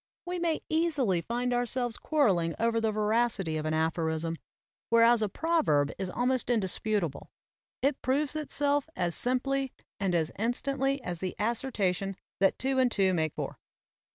We may easily find ourselves quarreling over the veracity of an aphorism, whereas a proverb is almost indisputable; it proves itself as simply 100 AMERICAN APHORISMS and as instantly as the assertion that two and two make four.